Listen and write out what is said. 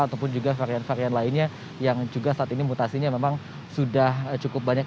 ataupun juga varian varian lainnya yang juga saat ini mutasinya memang sudah cukup banyak